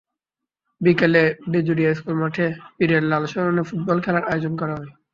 বিকেলে বেদুরিয়া স্কুল মাঠে পীরেন লাল স্মরণে ফুটবল খেলার আয়োজন করা হয়।